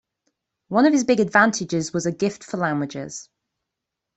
One of his big advantages was a gift for languages.